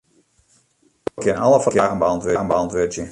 Liuwe kin alle fragen beäntwurdzje.